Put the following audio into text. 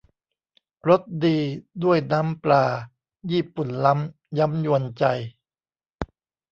รสดีด้วยน้ำปลา ญี่ปุ่นล้ำย้ำยวนใจ